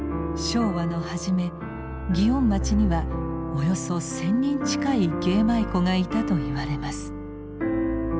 昭和の初め祇園町にはおよそ１，０００人近い芸舞妓がいたといわれます。